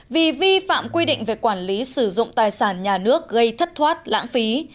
vì vi phạm quy định về quản lý sử dụng tài sản nhà nước gây thất thoát lãng phí